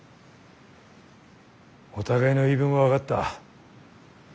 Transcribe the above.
お互いの言い分は分かった。